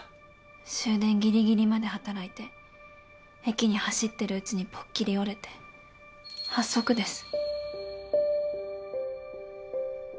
終電ぎりぎりまで働いて駅に走ってるうちにポッキリ折れて８足です。